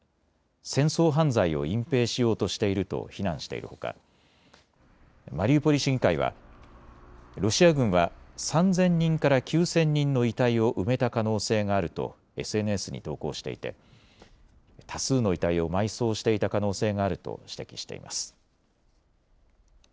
戦争犯罪を隠蔽しようとしていると非難しているほかマリウポリ市議会はロシア軍は３０００人から９０００人の遺体を埋めた可能性があるとＳＮＳに投稿していて多数の遺体を埋葬していた可能性があると指摘しています。